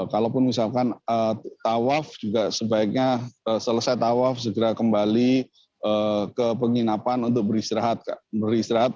kalaupun misalkan tawaf juga sebaiknya selesai tawaf segera kembali ke penginapan untuk beristirahat